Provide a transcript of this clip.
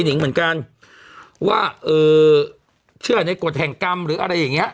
นิงเหมือนกันว่าเอ่อเชื่อในกฎแห่งกรรมหรืออะไรอย่างเงี้